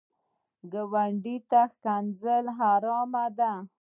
ګاونډي ته ښکنځل حرام دي